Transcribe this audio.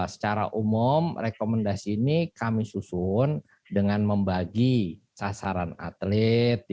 secara umum rekomendasi ini kami susun dengan membagi sasaran atlet